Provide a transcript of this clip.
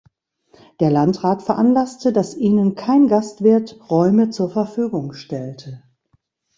Der Landrat veranlasste, dass ihnen kein Gastwirt Räume zur Verfügung stellte.